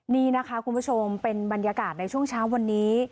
นี่นะคะคุณผู้ชมเป็นบรรยากาศในช่วงเช้าวันนี้